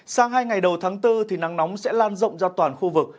sang hai ngày đầu tháng bốn thì nắng nóng sẽ lan rộng ra toàn khu vực